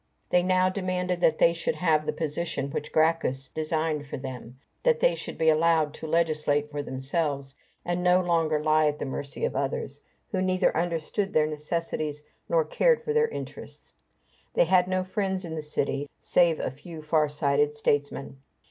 They now demanded that they should have the position which Gracchus designed for them: that they should be allowed to legislate for themselves, and no longer lie at the mercy of others, who neither understood their necessities, nor cared for their interests. They had no friends in the city, save a few far sighted statesmen.